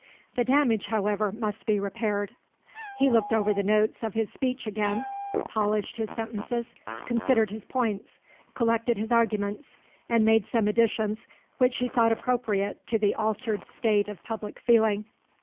The damage however must be repaired. He looked over the notes of his speech again, polished his sentences, considered his points, collected his arguments, and made some additions which he thought appropriate to the altered state of public feeling.